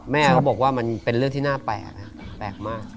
แม่เขาบอกว่ามันเป็นเรื่องที่น่าแปลกนะแปลกมาก